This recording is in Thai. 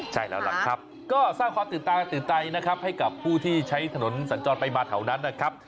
ใช่แล้วล่ะครับก็สร้างความตื่นตาตื่นใจนะครับให้กับผู้ที่ใช้ถนนสัญจรไปมาแถวนั้นนะครับ